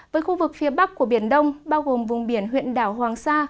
với khu vực phía bắc của biển đông bao gồm vùng biển huyện đảo hoàng sa